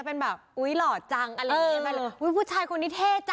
เป็นแบบอุ้ยหล่อจังอะไรอย่างงี้ไปเลยอุ้ยผู้ชายคนนี้เท่จ้